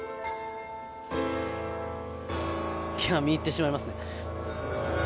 見入ってしまいますね。